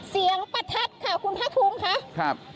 เสียงประทัดค่ะคุณภาคภูมิค่ะ